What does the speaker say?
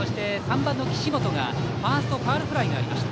３番の岸本がファーストファウルフライ。